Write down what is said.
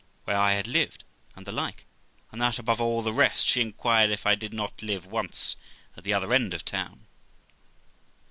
where I had lived? and the like ; and that, above all the rest, she inquired if I did not live once at the other end of the town.